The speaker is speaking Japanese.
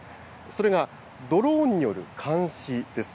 それがドローンによる監視です。